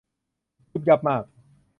ยุ่บยั่บมาก